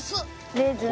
レーズン？